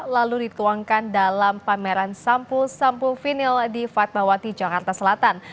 lalu dituangkan dalam pameran sampul sampul vinil di fatmawati jakarta selatan